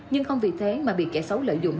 nhưng không vì thế mà bị kẻ xấu lợi dụng